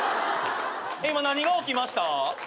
今何が起きました？